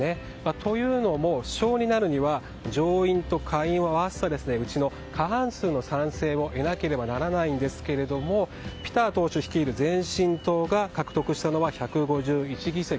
というのも首相になるには上院と下院を合わせたうちの過半数の賛成を得なければならないんですけどもピター党首率いる前進党が獲得したのが１５１議席。